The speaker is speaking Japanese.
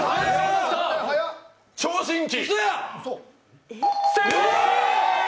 聴診器！